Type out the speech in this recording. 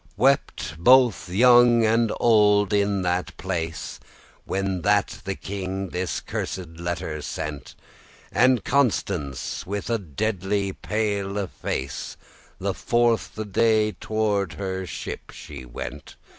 Wept bothe young and old in all that place, When that the king this cursed letter sent; And Constance, with a deadly pale face, The fourthe day toward her ship she went.